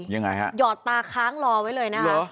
ยังไงฮะหยอดตาค้างรอไว้เลยนะคะ